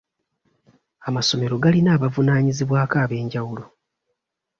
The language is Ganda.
Amasomero galina abavunaanyizibwako ab'enjawulo.